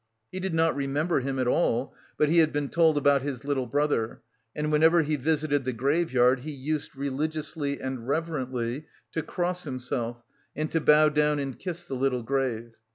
He did not remember him at all, but he had been told about his little brother, and whenever he visited the graveyard he used religiously and reverently to cross himself and to bow down and kiss the little grave.